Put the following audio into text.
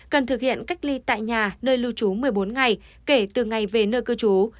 cần thực hiện cách ly tại nhà nơi lưu trú một mươi bốn ngày kể từ ngày về nơi cư trú